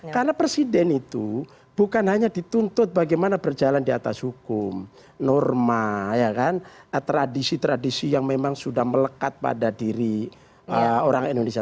karena presiden itu bukan hanya dituntut bagaimana berjalan di atas hukum norma tradisi tradisi yang memang sudah melekat pada diri orang indonesia